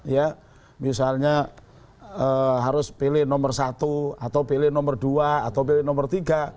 ya misalnya harus pilih nomor satu atau pilih nomor dua jadi berbeda juga gituagger ya adalah yang negara itu ya ya itu akhir yeah oh itu